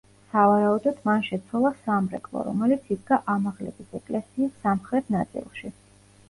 სავარაუდოდ მან შეცვალა სამრეკლო, რომელიც იდგა ამაღლების ეკლესიის სამხრეთ ნაწილში.